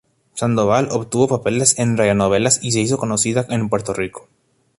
Sandoval obtuvo papeles en radionovelas y se hizo conocida en Puerto Rico.